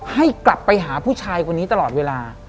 ให้กลับไปหาผู้ชายคนนี้ตลอดเวลา